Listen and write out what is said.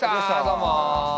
どうも。